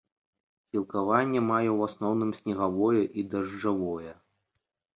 Сілкаванне мае ў асноўным снегавое і дажджавое.